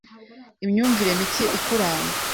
Imyumvire mike ikuranga